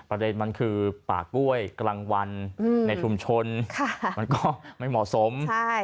ประเด็นมันคือป่ากล้วยกลางวันในชุมชนมันก็ไม่เหมาะสม